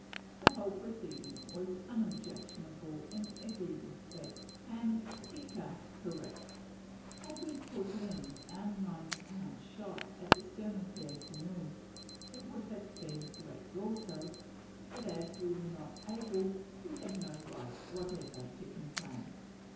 The whole proceeding was unobjectionable in every respect, and tika (correct). Had we put in our nine pound shot at the stern of their canoe, it would have been correct also; but as we were not able, we had no right whatever to complain.